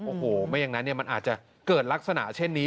โอ้โหไม่อย่างนั้นมันอาจจะเกิดลักษณะเช่นนี้